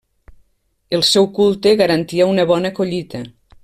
El seu culte garantia una bona collita.